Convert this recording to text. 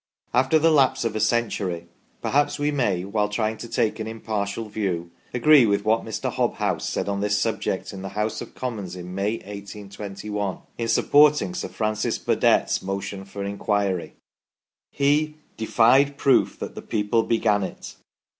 After the lapse of a century, perhaps we may, while trying to take an impartial view, agree with what Mr. Hobhouse said on this subject in the House of Commons in May, 1 82 1 , in supporting Sir Francis Burdett's motion for an inquiry : He " defied proof that the people began it.